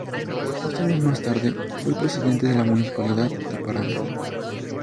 Dos años más tarde fue el presidente de la municipalidad de Paraná.